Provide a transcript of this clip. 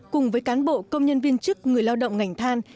cùng với cán bộ công nhân viên chức người lao động ngành than